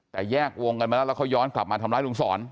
แต่แยกวงกันมาแล้วแล้วเขาย้อนกลับมาทำร้ายลุงสอน